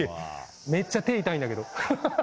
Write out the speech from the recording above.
めっちゃ手痛いんだけど。